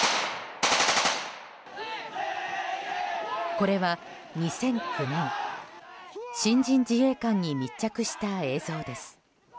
これは２００９年新人自衛官に密着した映像です。